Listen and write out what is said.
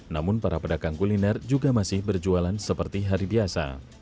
namun para pedagang kuliner juga masih berjualan seperti hari biasa